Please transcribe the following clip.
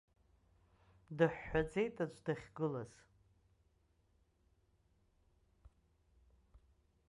Дыҳәҳәаӡеит аӡә дахьгылаз.